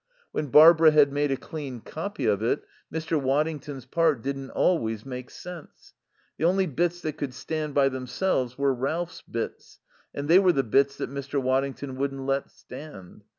When Barbara had made a clean copy of it Mr. Waddington's part didn't always make sense. The only bits that could stand by themselves were Ralph's bits, and they were the bits that Mr. Waddington wouldn't let stand.